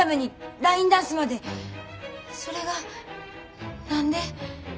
それが何で。